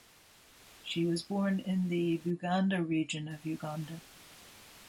She was born in the Buganda Region of Uganda.